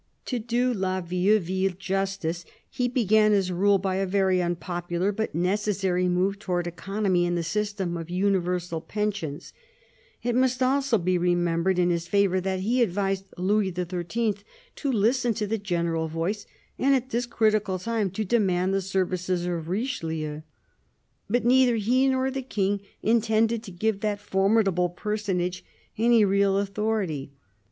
To do La Vieuville justice, he began his rule by a very unpopular but necessary move towards economy in the system of universal pensions It must also be remembered in his favour that he advised Louis XIII. to listen to the general voice and at this critical time to demand the services of Richelieu. But neither he nor the King intended to give that formidable personage any real authority.